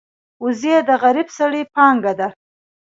وزې د غریب سړي پانګه ده